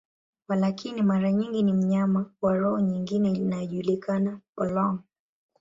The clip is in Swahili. Walakini, mara nyingi ni mnyama wa roho nyingine inayojulikana, polong.